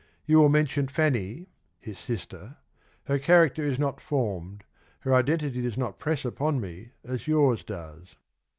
You will mention Fanny [his sister] — her character is not formed, her identity does not press upon me as yours does."